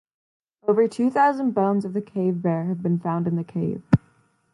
Over two thousand bones of the cave bear have been found in the cave.